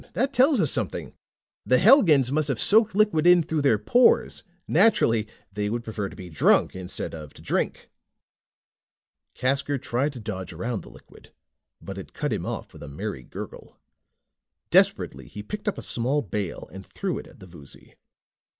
That tells us something! The Helgans must have soaked liquid in through their pores. Naturally, they would prefer to be drunk, instead of to drink." Casker tried to dodge around the liquid, but it cut him off with a merry gurgle. Desperately he picked up a small bale and threw it at the Voozy.